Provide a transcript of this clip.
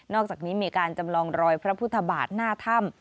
อกจากนี้มีการจำลองรอยพระพุทธบาทหน้าถ้ำ